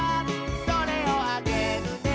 「それをあげるね」